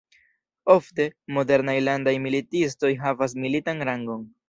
Ofte, modernaj landaj militistoj havas militan rangon.